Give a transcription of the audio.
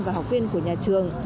và học viên của nhà trường